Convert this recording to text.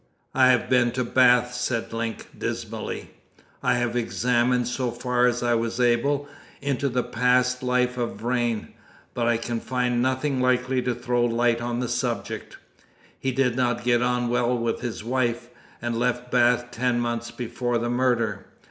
"I have been to Bath," said Link dismally. "I have examined, so far as I was able, into the past life of Vrain, but I can find nothing likely to throw light on the subject. He did not get on well with his wife, and left Bath ten months before the murder.